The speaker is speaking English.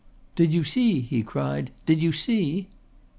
"Did you see?" he cried. "Did you see?"